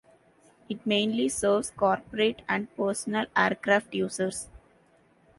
It mainly serves corporate and personal aircraft users.